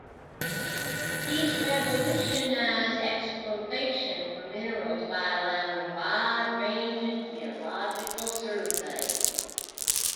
These revolutionized exploration for minerals by allowing wide-ranging geological surveys.